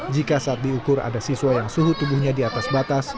jika saat diukur ada siswa yang suhu tubuhnya di atas batas